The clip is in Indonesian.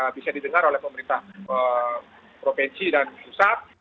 bisa didengar oleh pemerintah provinsi dan pusat